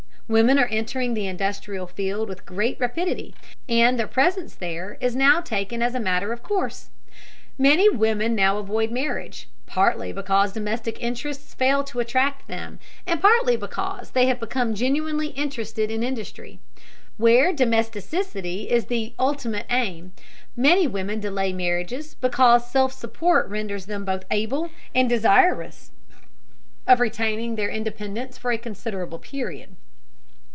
Women are entering the industrial field with great rapidity, and their presence there is now taken as a matter of course. Many women now avoid marriage, partly because domestic interests fail to attract them, and partly because they have become genuinely interested in industry. Where domesticity is the ultimate aim, many women delay marriage because self support renders them both able and desirous of retaining their independence for a considerable period.